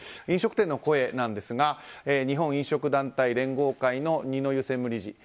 飲食店の声なんですが日本飲食団体連合会の二之湯専務理事。